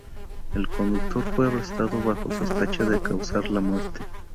El conductor fue arrestado bajo sospecha de causar la muerte.